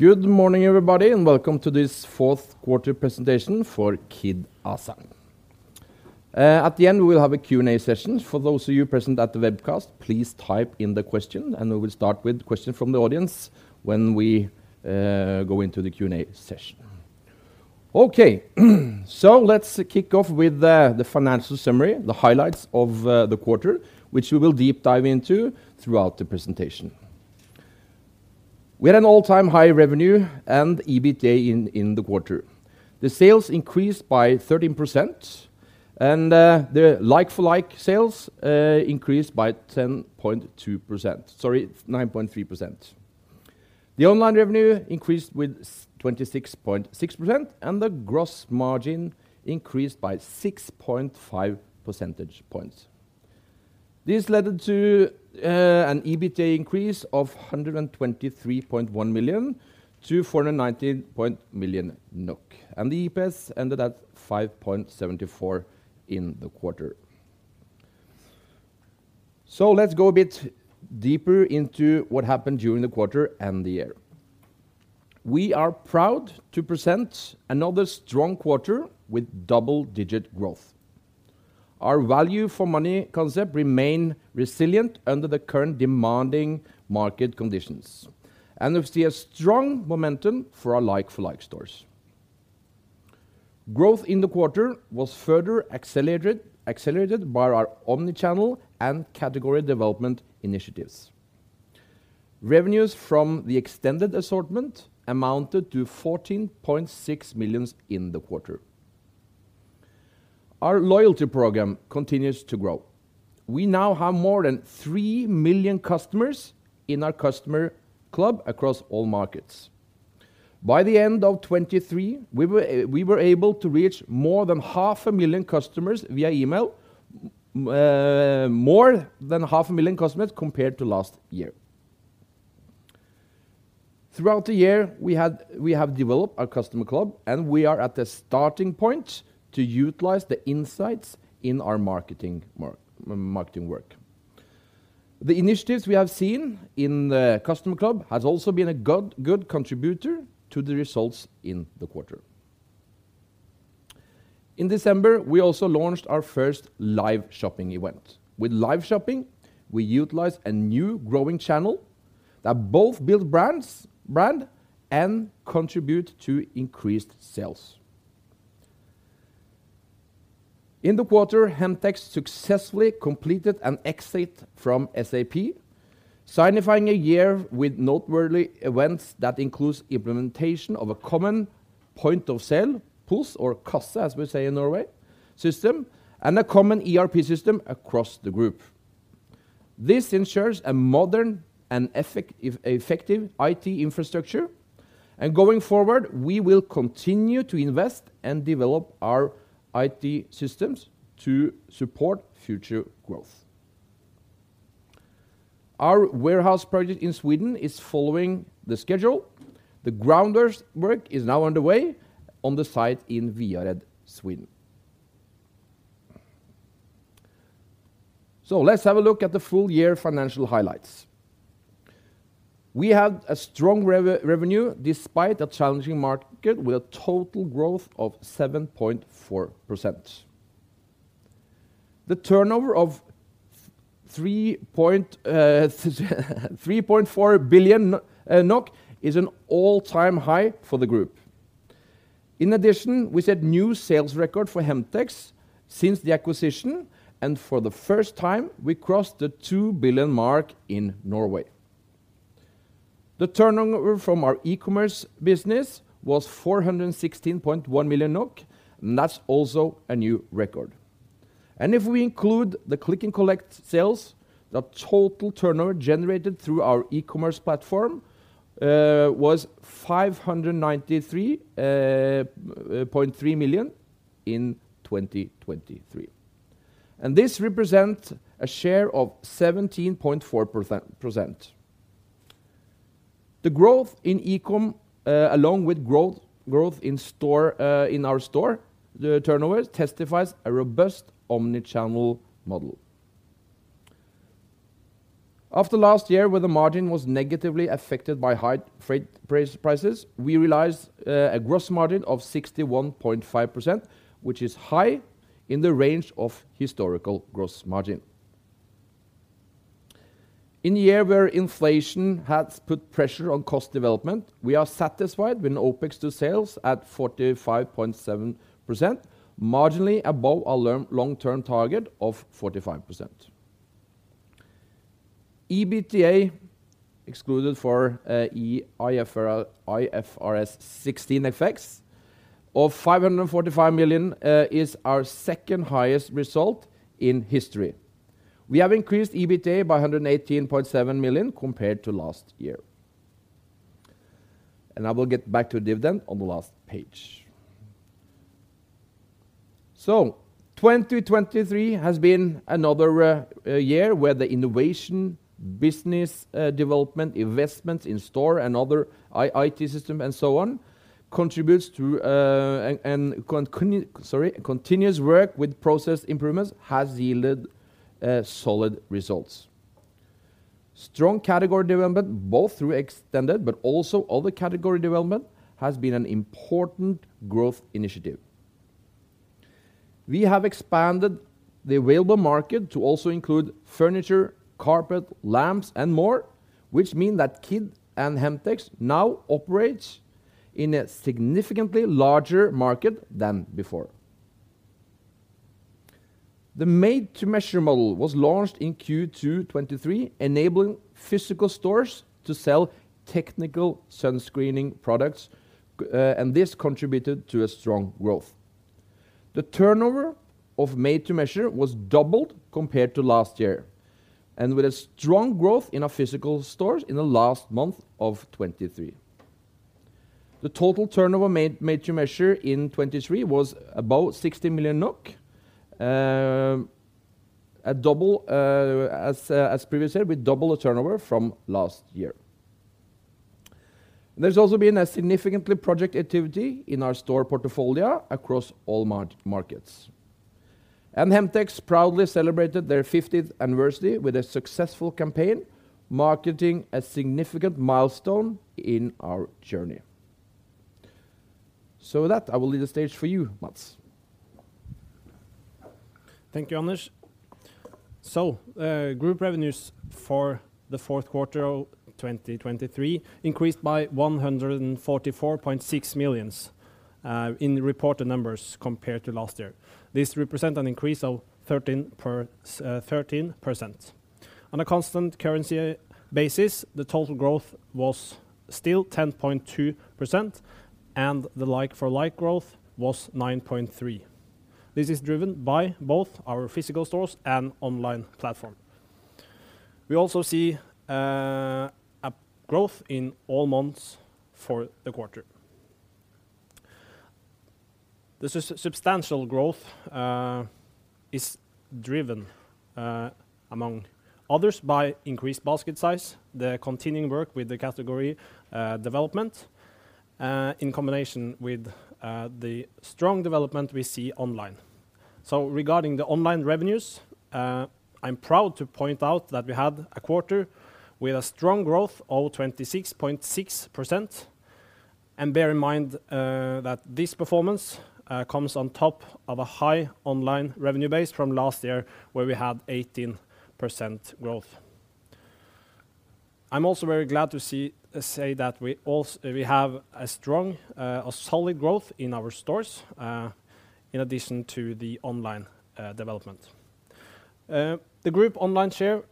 Good morning, everybody, and welcome to this fourth-quarter presentation for Kid ASA. At the end we will have a Q&A session. For those of you present at the webcast, please type in the question, and we will start with questions from the audience when we go into the Q&A session. OK, so let's kick off with the financial summary, the highlights of the quarter, which we will deep dive into throughout the presentation. We had an all-time high revenue and EBITDA in the quarter. The sales increased by 13%, and the like-for-like sales increased by 10.2%. Sorry, 9.3%. The online revenue increased with 26.6%, and the gross margin increased by 6.5 percentage points. This led to an EBITDA increase of 123.1 million to 419.0 million NOK, and the EPS ended at 5.74 in the quarter. So let's go a bit deeper into what happened during the quarter and the year. We are proud to present another strong quarter with double-digit growth. Our value-for-money concept remained resilient under the current demanding market conditions, and we see a strong momentum for our like-for-like stores. Growth in the quarter was further accelerated by our omnichannel and category development initiatives. Revenues from the extended assortment amounted to 14.6 million in the quarter. Our loyalty program continues to grow. We now have more than 3 million customers in our customer club across all markets. By the end of 2023, we were able to reach more than half a million customers via email, more than half a million customers compared to last year. Throughout the year we have developed our customer club, and we are at the starting point to utilize the insights in our marketing work. The initiatives we have seen in the customer club have also been a good contributor to the results in the quarter. In December we also launched our first live shopping event. With live shopping we utilized a new growing channel that both builds brand and contributes to increased sales. In the quarter Hemtex successfully completed an exit from SAP, signifying a year with noteworthy events that include implementation of a common point of sale (POS, or kasse, as we say in Norway) system, and a common ERP system across the group. This ensures a modern and effective IT infrastructure, and going forward we will continue to invest and develop our IT systems to support future growth. Our warehouse project in Sweden is following the schedule. The groundwork is now underway on the site in Viared, Sweden. So let's have a look at the full-year financial highlights. We had a strong revenue despite a challenging market, with a total growth of 7.4%. The turnover of 3.4 billion NOK is an all-time high for the group. In addition, we set new sales records for Hemtex since the acquisition, and for the first time we crossed the 2 billion mark in Norway. The turnover from our e-commerce business was 416.1 million NOK, and that's also a new record. If we include the click-and-collect sales, the total turnover generated through our e-commerce platform was 593.3 million in 2023. This represents a share of 17.4%. The growth in e-com, along with growth in our store turnover, testifies to a robust omnichannel model. After last year, where the margin was negatively affected by high freight prices, we realized a gross margin of 61.5%, which is high in the range of historical gross margin. In a year where inflation has put pressure on cost development, we are satisfied with an OPEX to sales at 45.7%, marginally above our long-term target of 45%. EBITDA excluded for IFRS 16 FX of 545 million is our second-highest result in history. We have increased EBITDA by 118.7 million compared to last year. And I will get back to the dividend on the last page. So 2023 has been another year where the innovation, business development, investments in store and other IT systems, and so on, contributes to continuous work with process improvements, has yielded solid results. Strong category development, both through extended but also other category development, has been an important growth initiative. We have expanded the available market to also include furniture, carpet, lamps, and more, which means that Kid and Hemtex now operate in a significantly larger market than before. The made-to-measure model was launched in Q2 2023, enabling physical stores to sell technical sunscreening products, and this contributed to a strong growth. The turnover of made-to-measure was doubled compared to last year, and with a strong growth in our physical stores in the last month of 2023. The total turnover made-to-measure in 2023 was about 60 million NOK, as previously said, with double the turnover from last year. There has also been a significant project activity in our store portfolio across all markets. Hemtex proudly celebrated their 50th anniversary with a successful campaign, marketing a significant milestone in our journey. With that, I will leave the stage for you, Mads. Thank you, Anders. So group revenues for the fourth quarter of 2023 increased by 144.6 million in reported numbers compared to last year. This represents an increase of 13%. On a constant currency basis, the total growth was still 10.2%, and the like-for-like growth was 9.3%. This is driven by both our physical stores and online platform. We also see growth in all months for the quarter. The substantial growth is driven, among others, by increased basket size, the continuing work with the category development, in combination with the strong development we see online. So regarding the online revenues, I'm proud to point out that we had a quarter with a strong growth of 26.6%. And bear in mind that this performance comes on top of a high online revenue base from last year, where we had 18% growth. I'm also very glad to say that we have a solid growth in our stores, in addition to the online development. The group online share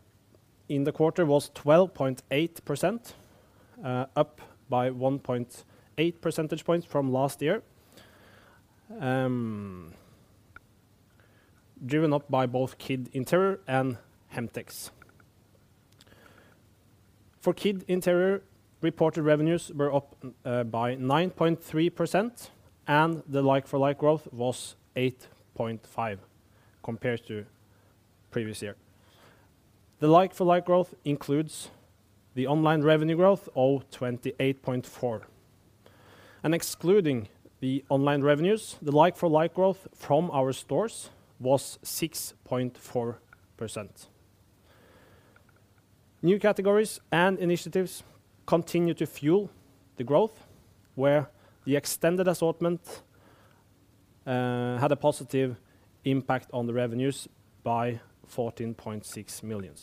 in the quarter was 12.8%, up by 1.8 percentage points from last year, driven up by both Kid Interiør and Hemtex. For Kid Interiør, reported revenues were up by 9.3%, and the like-for-like growth was 8.5% compared to previous year. The like-for-like growth includes the online revenue growth of 28.4%. Excluding the online revenues, the like-for-like growth from our stores was 6.4%. New categories and initiatives continue to fuel the growth, where the extended assortment had a positive impact on the revenues by 14.6 million.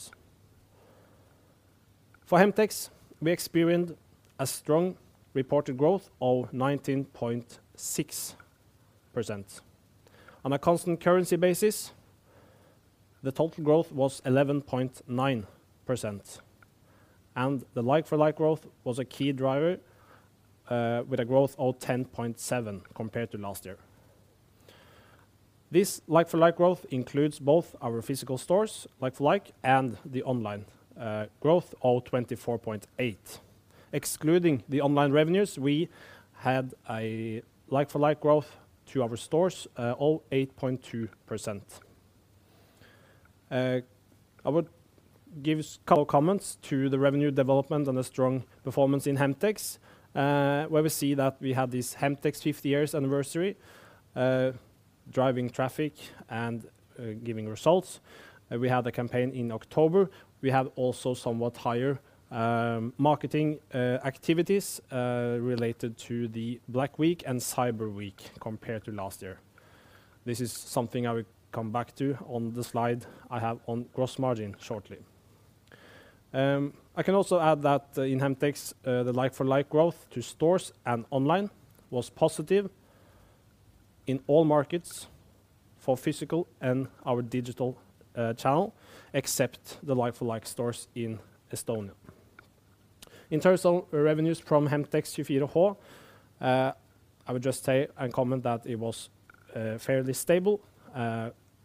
For Hemtex, we experienced a strong reported growth of 19.6%. On a constant currency basis, the total growth was 11.9%, and the like-for-like growth was a key driver, with a growth of 10.7% compared to last year. This like-for-like growth includes both our physical stores, like-for-like, and the online growth of 24.8%. Excluding the online revenues, we had a like-for-like growth to our stores of 8.2%. I would give a couple of comments to the revenue development and the strong performance in Hemtex, where we see that we had this Hemtex 50-year anniversary, driving traffic and giving results. We had a campaign in October. We had also somewhat higher marketing activities related to the Black Week and Cyber Week compared to last year. This is something I will come back to on the slide I have on gross margin shortly. I can also add that in Hemtex, the like-for-like growth to stores and online was positive in all markets for physical and our digital channel, except the like-for-like stores in Estonia. In terms of revenues from Hemtex 24H, I would just say and comment that it was fairly stable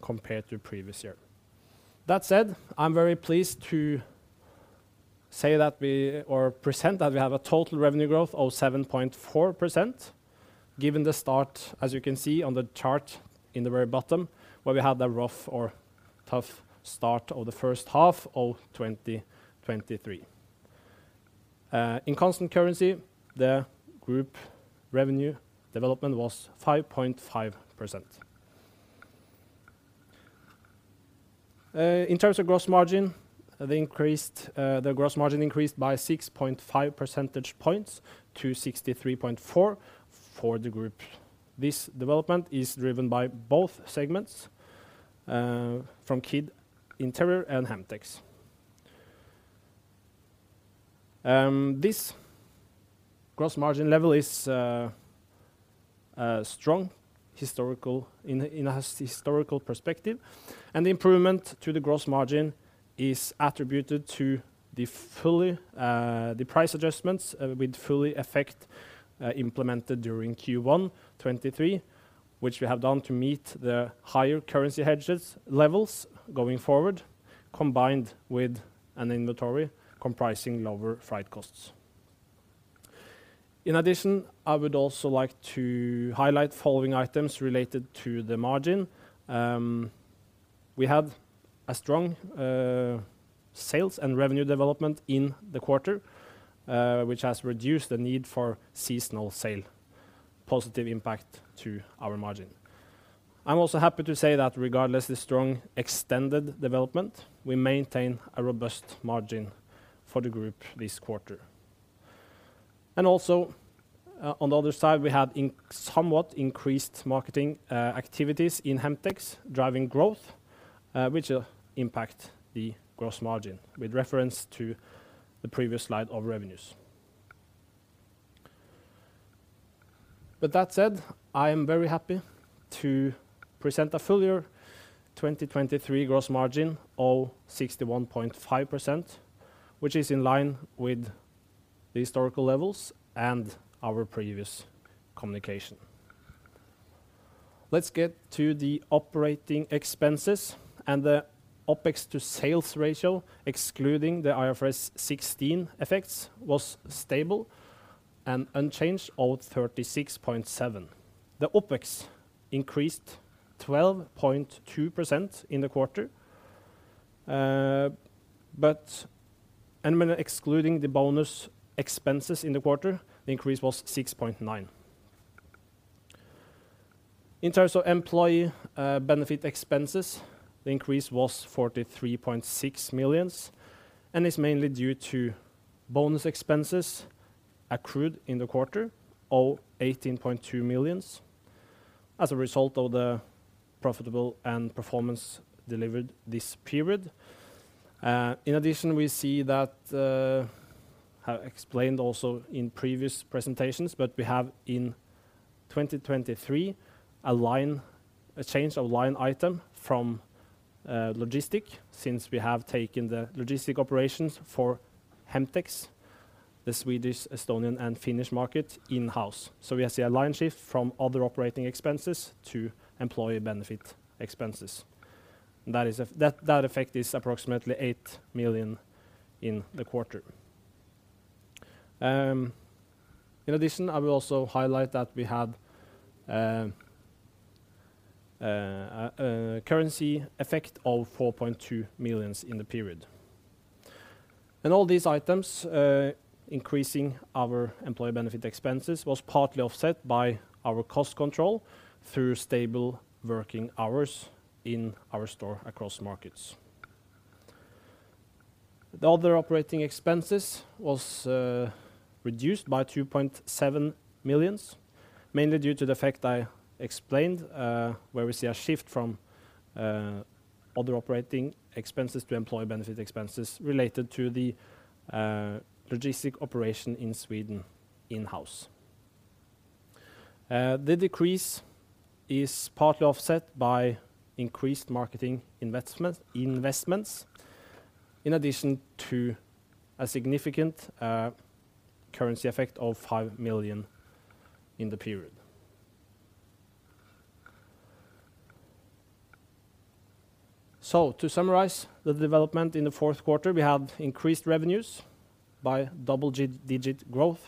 compared to previous year. That said, I'm very pleased to say that we present that we have a total revenue growth of 7.4%, given the start, as you can see on the chart in the very bottom, where we had a rough or tough start of the first half of 2023. In constant currency, the group revenue development was 5.5%. In terms of gross margin, the gross margin increased by 6.5 percentage points to 63.4% for the group. This development is driven by both segments, from Kid Interiør and Hemtex. This gross margin level is strong in a historical perspective, and the improvement to the gross margin is attributed to the price adjustments with full effect implemented during Q1 2023, which we have done to meet the higher currency hedges levels going forward, combined with an inventory comprising lower freight costs. In addition, I would also like to highlight the following items related to the margin. We had a strong sales and revenue development in the quarter, which has reduced the need for seasonal sales, a positive impact to our margin. I'm also happy to say that regardless of the strong extended development, we maintain a robust margin for the group this quarter. And also, on the other side, we had somewhat increased marketing activities in Hemtex, driving growth, which impacts the gross margin, with reference to the previous slide of revenues. With that said, I am very happy to present a full year 2023 gross margin of 61.5%, which is in line with the historical levels and our previous communication. Let's get to the operating expenses, and the OPEX to sales ratio, excluding the IFRS 16 effects, was stable and unchanged of 36.7%. The OPEX increased 12.2% in the quarter, but excluding the bonus expenses in the quarter, the increase was 6.9%. In terms of employee benefit expenses, the increase was 43.6 million, and is mainly due to bonus expenses accrued in the quarter of 18.2 million, as a result of the profitable and performance delivered this period. In addition, we see that I have explained also in previous presentations, but we have in 2023 a change of line item from logistics, since we have taken the logistic operations for Hemtex, the Swedish, Estonian, and Finnish market in-house. So we have seen a line shift from other operating expenses to employee benefit expenses. That effect is approximately 8 million in the quarter. In addition, I will also highlight that we had a currency effect of 4.2 million in the period. And all these items increasing our employee benefit expenses was partly offset by our cost control through stable working hours in our store across markets. The other operating expenses were reduced by 2.7 million, mainly due to the effect I explained, where we see a shift from other operating expenses to employee benefit expenses related to the logistics operation in Sweden in-house. The decrease is partly offset by increased marketing investments, in addition to a significant currency effect of 5 million in the period. To summarize the development in the fourth quarter, we had increased revenues by double-digit growth,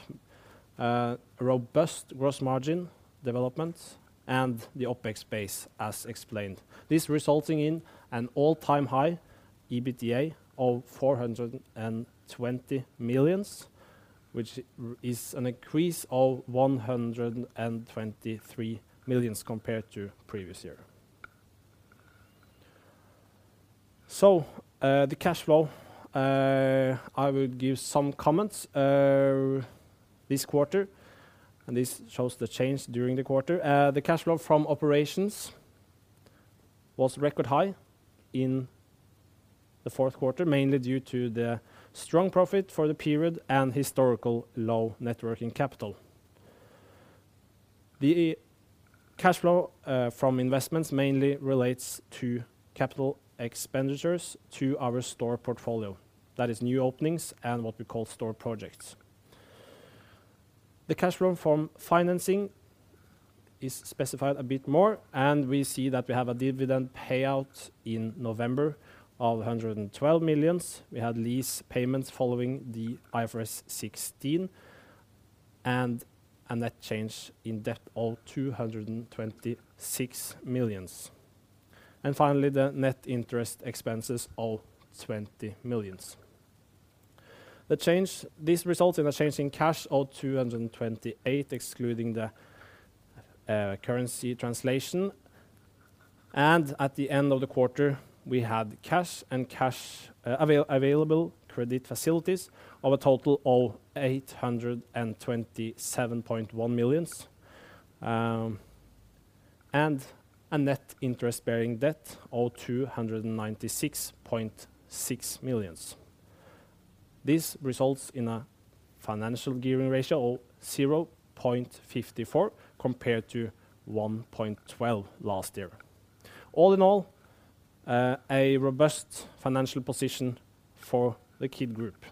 robust gross margin developments, and the OpEx base, as explained. This resulting in an all-time high EBITDA of 420 million, which is an increase of 123 million compared to previous year. The cash flow, I will give some comments this quarter. This shows the change during the quarter. The cash flow from operations was record high in the fourth quarter, mainly due to the strong profit for the period and historical low net working capital. The cash flow from investments mainly relates to capital expenditures to our store portfolio. That is new openings and what we call store projects. The cash flow from financing is specified a bit more, and we see that we have a dividend payout in November of 112 million. We had lease payments following the IFRS 16, and a net change in debt of 226 million. And finally, the net interest expenses of 20 million. This results in a change in cash of 228 million, excluding the currency translation. And at the end of the quarter, we had cash and cash available credit facilities of a total of 827.1 million, and a net interest-bearing debt of 296.6 million. This results in a financial gearing ratio of 0.54 compared to 1.12 last year. All in all, a robust financial position for the Kid Group.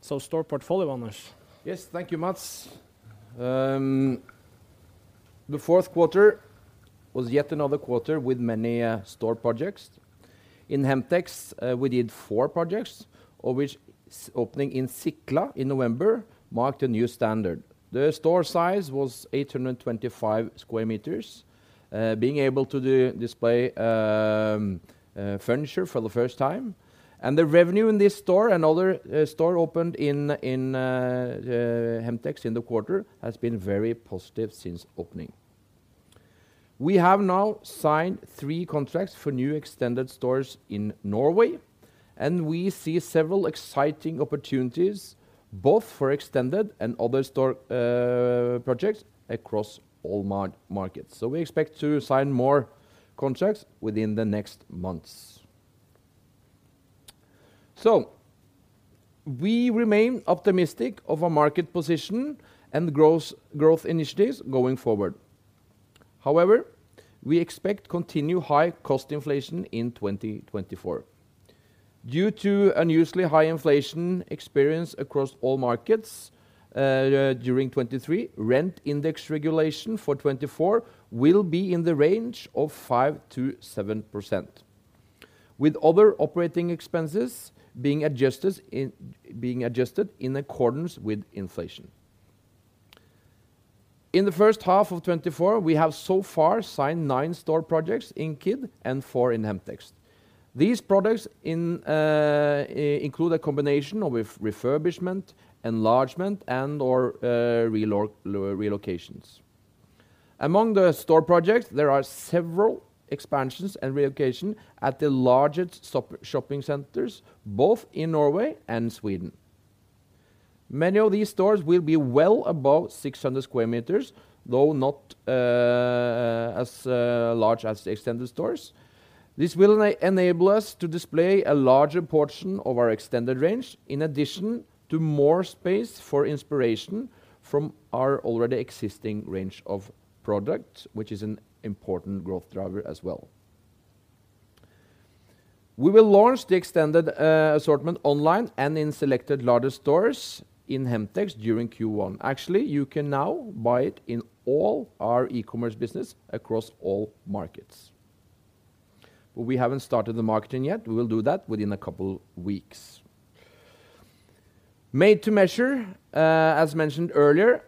So store portfolio, Anders. Yes, thank you, Mads. The fourth quarter was yet another quarter with many store projects. In Hemtex, we did 4 projects, of which opening in Sickla in November marked a new standard. The store size was 825 square meters, being able to display furniture for the first time. And the revenue in this store and other store opened in Hemtex in the quarter has been very positive since opening. We have now signed 3 contracts for new extended stores in Norway, and we see several exciting opportunities, both for extended and other store projects across all markets. So we expect to sign more contracts within the next months. So we remain optimistic of our market position and growth initiatives going forward. However, we expect continued high cost inflation in 2024. Due to unusually high inflation experienced across all markets during 2023, rent index regulation for 2024 will be in the range of 5%-7%, with other operating expenses being adjusted in accordance with inflation. In the first half of 2024, we have so far signed nine store projects in Kid and four in Hemtex. These projects include a combination of refurbishment, enlargement, and/or relocations. Among the store projects, there are several expansions and relocations at the largest shopping centers, both in Norway and Sweden. Many of these stores will be well above 600 square meters, though not as large as the extended stores. This will enable us to display a larger portion of our extended range, in addition to more space for inspiration from our already existing range of products, which is an important growth driver as well. We will launch the extended assortment online and in selected largest stores in Hemtex during Q1. Actually, you can now buy it in all our e-commerce business across all markets. We haven't started the marketing yet. We will do that within a couple of weeks. Made-to-measure, as mentioned earlier,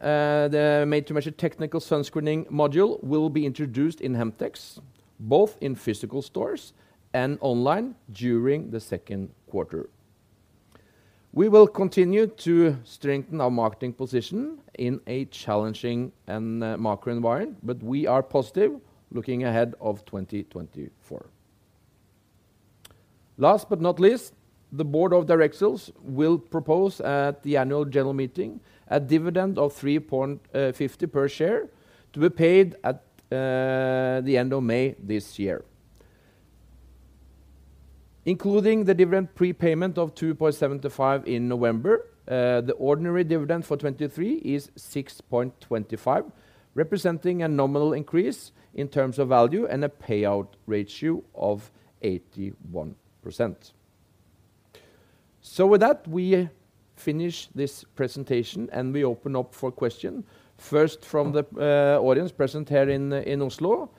the made-to-measure technical sunscreening module will be introduced in Hemtex, both in physical stores and online during the second quarter. We will continue to strengthen our marketing position in a challenging macro environment, but we are positive looking ahead of 2024. Last but not least, the board of directors will propose at the annual general meeting a dividend of 3.50 per share to be paid at the end of May this year. Including the dividend prepayment of 2.75 in November, the ordinary dividend for 2023 is 6.25, representing a nominal increase in terms of value and a payout ratio of 81%. With that, we finish this presentation, and we open up for questions. First, from the audience, present here in Oslo.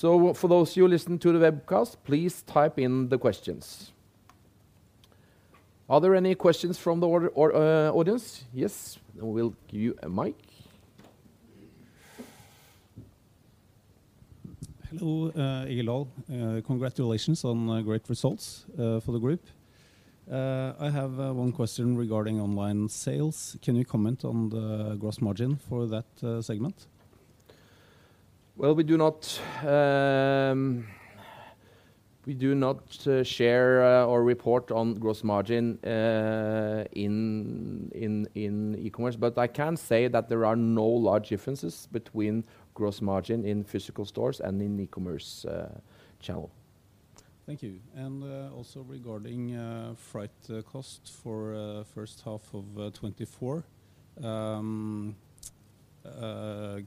For those of you listening to the webcast, please type in the questions. Are there any questions from the audience? Yes? We will give you a mic. Hello, Egil Dahl. Congratulations on great results for the group. I have one question regarding online sales. Can you comment on the gross margin for that segment? Well, we do not share or report on gross margin in e-commerce, but I can say that there are no large differences between gross margin in physical stores and in e-commerce channels. Thank you. And also regarding freight costs for the first half of 2024,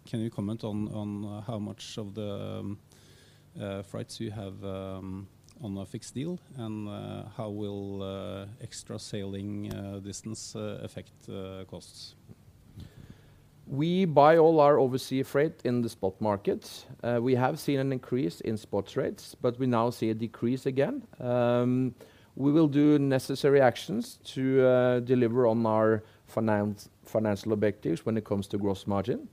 can you comment on how much of the freights you have on a fixed deal, and how will extra sailing distance affect costs? We buy all our overseas freight in the spot markets. We have seen an increase in spot rates, but we now see a decrease again. We will do necessary actions to deliver on our financial objectives when it comes to gross margin.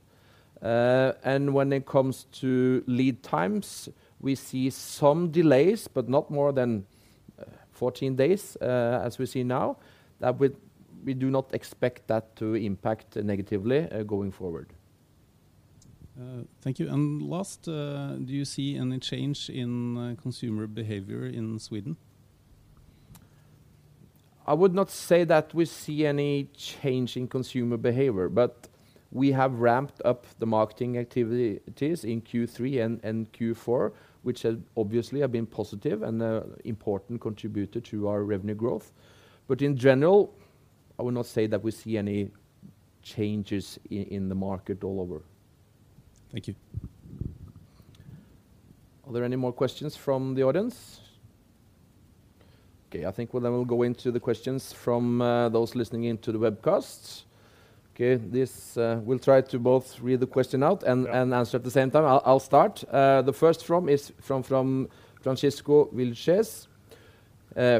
When it comes to lead times, we see some delays, but not more than 14 days, as we see now. We do not expect that to impact negatively going forward. Thank you. Last, do you see any change in consumer behavior in Sweden? I would not say that we see any change in consumer behavior, but we have ramped up the marketing activities in Q3 and Q4, which obviously have been positive and an important contributor to our revenue growth. But in general, I would not say that we see any changes in the market all over. Thank you. Are there any more questions from the audience? OK, I think then we'll go into the questions from those listening into the webcast. We'll try to both read the question out and answer at the same time. I'll start. The first from Francisco Vilchez.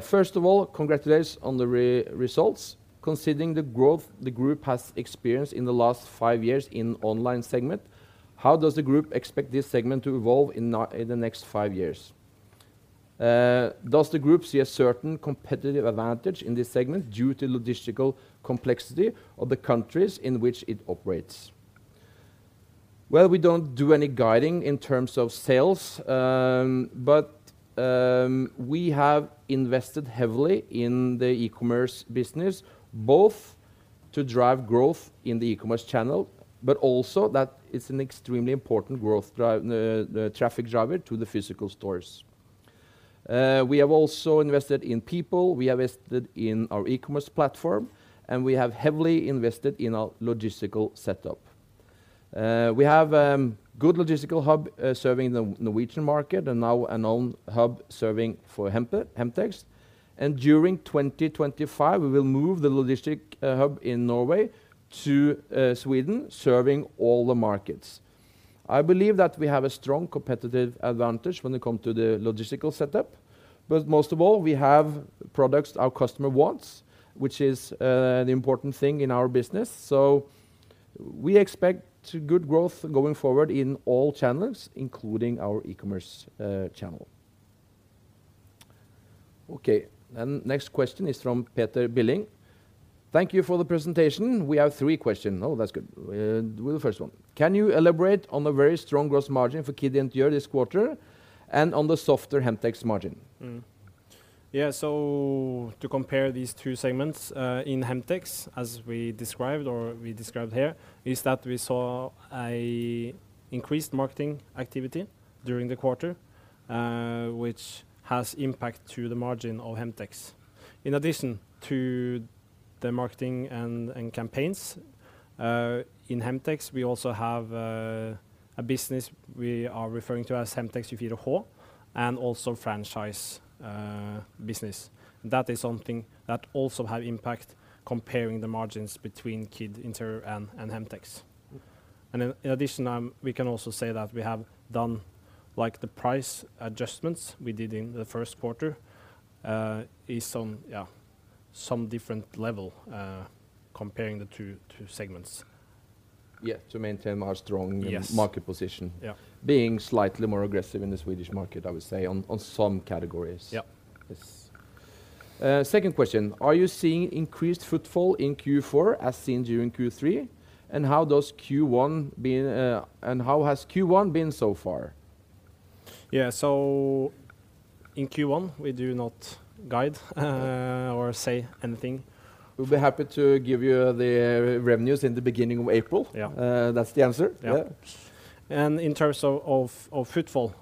First of all, congratulations on the results. Considering the growth the group has experienced in the last five years in the online segment, how does the group expect this segment to evolve in the next five years? Does the group see a certain competitive advantage in this segment due to logistical complexity of the countries in which it operates? Well, we don't do any guiding in terms of sales, but we have invested heavily in the e-commerce business, both to drive growth in the e-commerce channel, but also that it's an extremely important growth traffic driver to the physical stores. We have also invested in people. We invested in our e-commerce platform, and we have heavily invested in our logistical setup. We have a good logistical hub serving the Norwegian market and now a known hub serving for Hemtex. And during 2025, we will move the logistic hub in Norway to Sweden, serving all the markets. I believe that we have a strong competitive advantage when it comes to the logistical setup. But most of all, we have products our customer wants, which is the important thing in our business. So we expect good growth going forward in all channels, including our e-commerce channel. OK, then next question is from Peter Billing. Thank you for the presentation. We have three questions. Oh, that's good. We'll do the first one. Can you elaborate on the very strong gross margin for Kid Interiør this quarter and on the softer Hemtex's margin? Yeah, so to compare these two segments in Hemtex, as we described or we described here, is that we saw an increased marketing activity during the quarter, which has impacted the margin of Hemtex. In addition to the marketing and campaigns in Hemtex, we also have a business we are referring to as Hemtex Juvir & Hå, and also a franchise business. That is something that also has impact comparing the margins between Kid, Interiør, and Hemtex. And in addition, we can also say that we have done the price adjustments we did in the first quarter is on some different level comparing the two segments. Yeah, to maintain our strong market position, being slightly more aggressive in the Swedish market, I would say, on some categories. Yeah. Second question. Are you seeing increased footfall in Q4 as seen during Q3? And how has Q1 been so far? Yeah, so in Q1, we do not guide or say anything. We'll be happy to give you the revenues in the beginning of April. Yeah. That's the answer. Yeah. And in terms of footfall,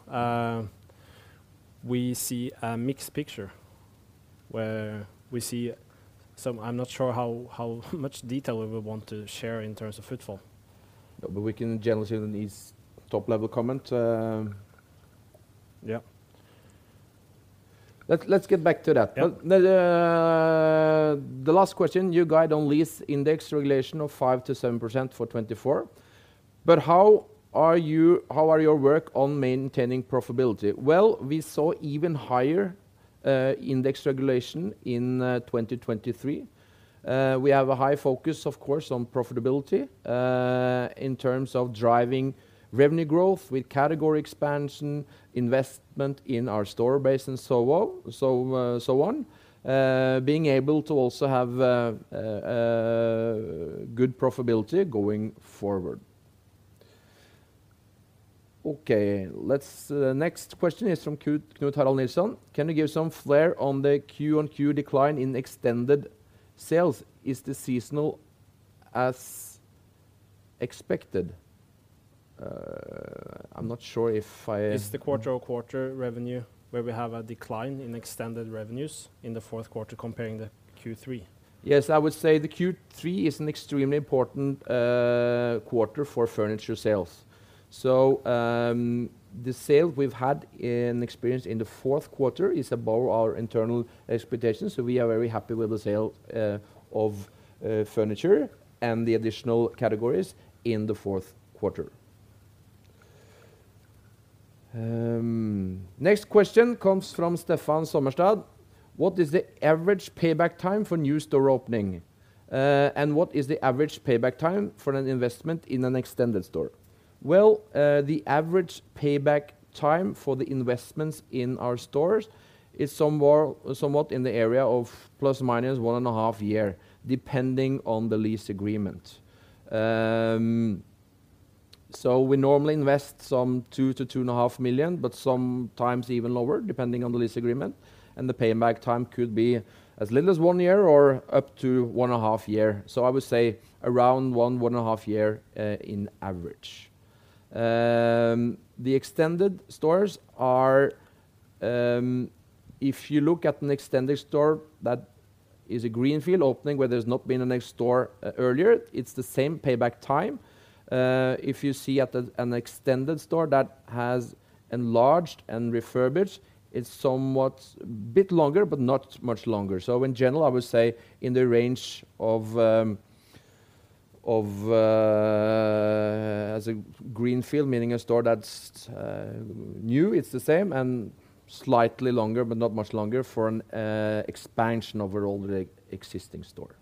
we see a mixed picture where we see some. I'm not sure how much detail we want to share in terms of footfall. No, but we can generally see the least top-level comment. Yeah. Let's get back to that. The last question. You guide on lease index regulation of 5%-7% for 2024. But how are your work on maintaining profitability? Well, we saw even higher index regulation in 2023. We have a high focus, of course, on profitability in terms of driving revenue growth with category expansion, investment in our store base, and so on, being able to also have good profitability going forward. OK, next question is from Knut Harald Nilsson. Can you give some flair on the Q on Q decline in extended sales? Is the seasonal as expected? I'm not sure if I. Is the quarter-over-quarter revenue where we have a decline in extended revenues in the fourth quarter comparing to Q3? Yes, I would say the Q3 is an extremely important quarter for furniture sales. So the sales we've had and experienced in the fourth quarter is above our internal expectations. So we are very happy with the sale of furniture and the additional categories in the fourth quarter. Next question comes from Stefan Sommerstad. What is the average payback time for new store opening? And what is the average payback time for an investment in an extended store? Well, the average payback time for the investments in our stores is somewhat in the area of ±1.5 years, depending on the lease agreement. So we normally invest some 2 million-2.5 million, but sometimes even lower, depending on the lease agreement. And the payback time could be as little as one year or up to 1.5 years. So I would say around 1-1.5 years on average. The extended stores are if you look at an extended store that is a greenfield opening where there's not been an extra store earlier, it's the same payback time. If you see at an extended store that has enlarged and refurbished, it's somewhat a bit longer, but not much longer. So in general, I would say in the range of as a greenfield, meaning a store that's new, it's the same, and slightly longer, but not much longer, for an expansion of an already existing store.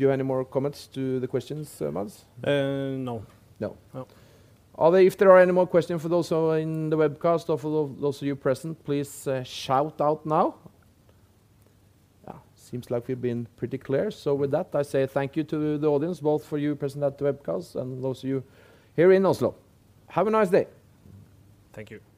Do you have any more comments to the questions, Mads? No. No. No. Are there any more questions for those in the webcast or for those of you present? Please shout out now. Yeah, seems like we've been pretty clear. So with that, I say thank you to the audience, both for you present at the webcast and those of you here in Oslo. Have a nice day. Thank you.